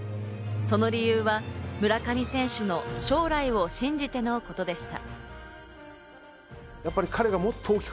その理由は村上選手の将来を信じてのことでした。